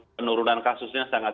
penurunan kasusnya sangat